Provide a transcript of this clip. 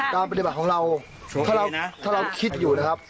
การปฏิบัติของเราถ้าเราคิดอยู่นะครับ